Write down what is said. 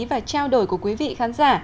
và trao đổi của quý vị khán giả